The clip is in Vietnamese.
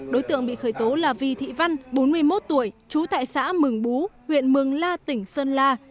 đối tượng bị khởi tố là vy thị văn bốn mươi một tuổi trú tại xã mường bú huyện mường la tỉnh sơn la